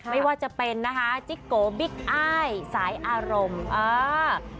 ไม่ว่าจะเป็นนะคะจิ๊กโกบิ๊กอ้ายสายอารมณ์เออ